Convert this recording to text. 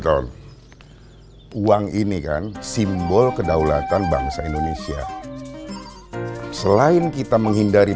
tahun uang ini kan simbol kedaulatan bangsa indonesia selain kita menghindari